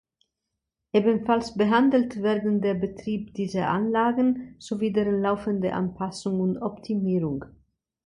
Ebenfalls behandelt werden der Betrieb dieser Anlagen sowie deren laufende Anpassung und Optimierung.